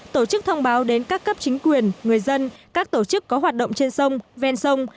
tổ chức thông báo đến các cấp chính quyền người dân các tổ chức có hoạt động trên sông ven sông